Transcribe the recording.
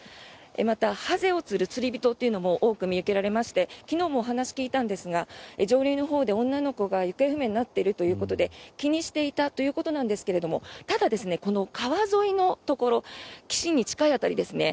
また、ハゼを釣る釣り人というのも多く見受けられまして昨日もお話を聞いたんですが上流のほうで女の子が行方不明になっているということで気にしていたということですがただ、この川沿いのところ岸に近い辺りですね